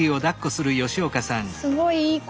すごいいい子。